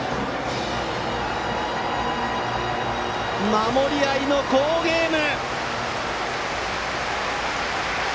守り合いの好ゲーム！